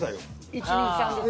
１２３ですか？